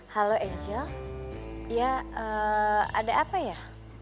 halo angel ya ada apa ya